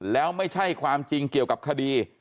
แล้วไม่ใช่ความจริงเกี่ยวกับคดี